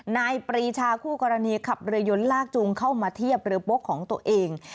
ปรีชาคู่กรณีขับเรือยนลากจูงเข้ามาเทียบเรือโป๊ะของตัวเอง